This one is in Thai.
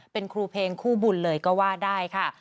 เป็นครูเพลงคู่บุญเลยก็ว่าได้ค่ะ